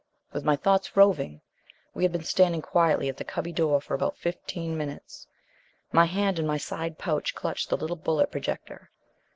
With my thoughts roving, we had been standing quietly at the cubby door for about fifteen minutes. My hand in my side pouch clutched the little bullet projector.